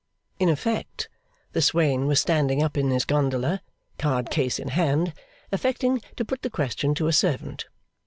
In effect, the swain was standing up in his gondola, card case in hand, affecting to put the question to a servant.